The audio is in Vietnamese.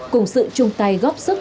cùng sự chung tay góp sức